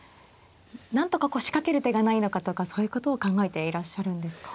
なんとかこう仕掛ける手がないのかとかそういうことを考えていらっしゃるんですか。